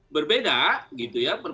berbeda gitu ya